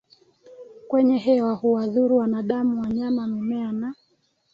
kwenye hewa huwadhuru wanadamu wanyama mimea na